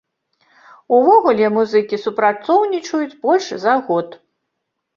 Увогуле, музыкі супрацоўнічаюць больш за год.